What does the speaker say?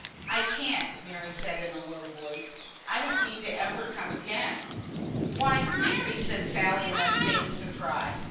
"I can't," Mary said, in a low voice. "I don't mean ever to come again." "Why, Mary!" said Sally, in unfeigned surprise.